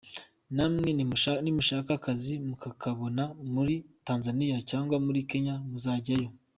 Namwe nimushaka akazi mukakabona muri Tanzania cyangwa muri Kenya muzajyayo.